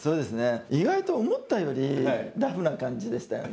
意外と思ったよりラフな感じでしたよね。